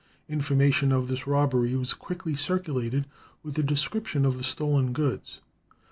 Information of this robbery was quickly circulated, with a description of the stolen goods.